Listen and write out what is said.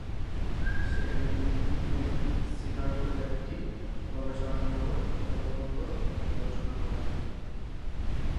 সেখানে তিনি ইবনে সিনার উপর একটি গবেষণামূলক প্রবন্ধ রচনা করেন।